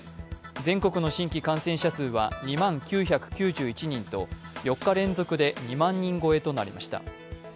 全国の新規感染者数は２万９９１人と４日連続で２万人超えとなりました。